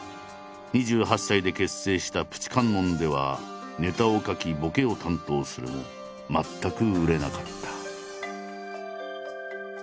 ２８歳で結成した「ぷち観音」ではネタを書きボケを担当するも全く売れなかった。